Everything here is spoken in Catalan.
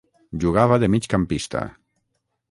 Jugava de migcampista.